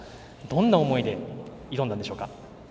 どんな思いで挑んだんでしょうか。